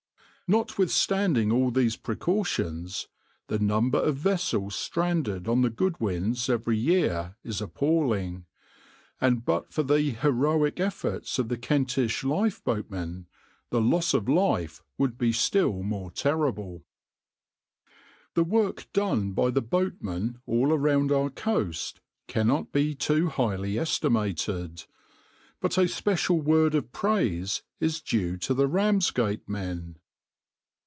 Notwithstanding all these precautions, the number of vessels stranded on the Goodwins every year is appalling; and but for the heroic efforts of the Kentish lifeboatmen, the loss of life would be still more terrible.\par The work done by the boatmen all around our coast cannot be too highly estimated, but a special word of praise is due to the Ramsgate men.